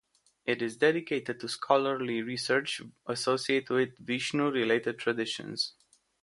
It is dedicated to scholarly research associated with Vishnu-related traditions.